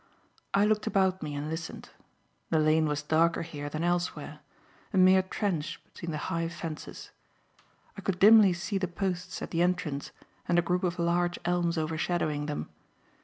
I looked about me and listened. The lane was darker here than elsewhere; a mere trench between the high fences. I could dimly see the posts at the entrance and a group of large elms over shadowing them.